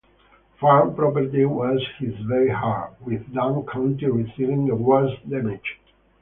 Farm property was hit very hard, with Dunn County receiving the worst damage.